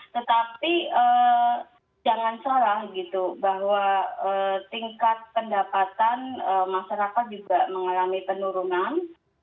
tetapi jangan salah gitu bahwa tingkat pendapatan masyarakat juga mengalami penurunan